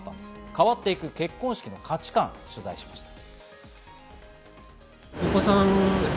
変わっていく結婚式の価値観、取材しました。